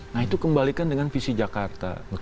nah itu kembalikan dengan visi jakarta